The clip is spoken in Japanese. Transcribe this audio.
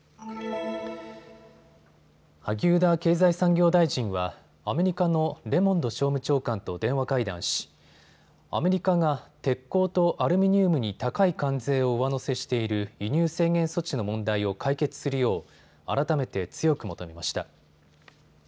萩生田経済産業大臣はアメリカのレモンド商務長官と電話会談しアメリカが鉄鋼とアルミニウムに高い関税を上乗せしている輸入制限措置の問題を解決するよう改めて強く求めました。